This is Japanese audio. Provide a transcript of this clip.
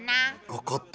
分かった。